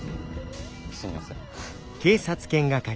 すいません。